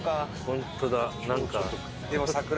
ホントだなんか。